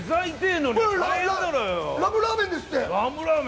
ラムラーメンですって。